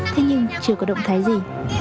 thế nhưng chưa có động thái gì